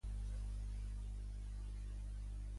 Doncs ja hi aniré o mateixa, quina és la direcció?